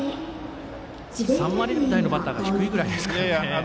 ３割台のバッターが低いくらいですからね。